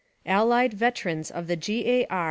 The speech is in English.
(Allied) Veterans of the *'G. A. R."